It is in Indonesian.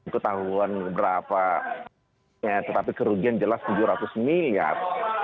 ketahuan berapa tetapi kerugian jelas tujuh ratus miliar